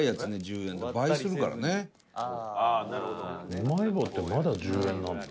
うまい棒ってまだ１０円なんだ。